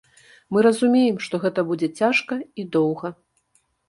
Мы разумеем, што гэта будзе цяжка і доўга.